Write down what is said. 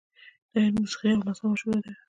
د هند موسیقي او نڅا مشهوره ده.